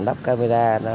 lắp camera nó